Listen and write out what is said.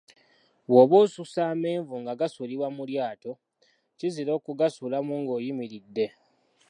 Bw'oba osusa amenvu nga gasuulibwa mu lyato, kizira okugasuulamu nga oyimiridde.